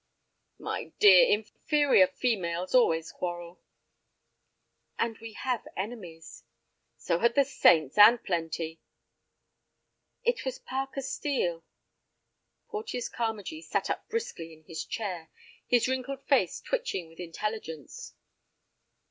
"My dear, inferior females always quarrel!" "And we have enemies." "So had the saints, and plenty." "It was Parker Steel—" Porteus Carmagee sat up briskly in his chair, his wrinkled face twitching with intelligence.